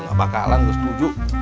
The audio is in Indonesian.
gak bakalan gue setuju